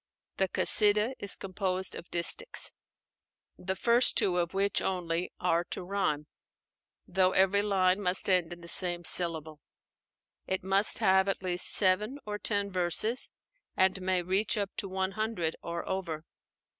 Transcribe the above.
The Kasídah is composed of distichs, the first two of which only are to rhyme; though every line must end in the same syllable. It must have at least seven or ten verses, and may reach up to one hundred or over.